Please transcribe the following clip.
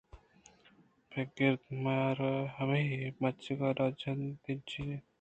پد گرد ءَ مارہمے بچکّ ءَ را دجیت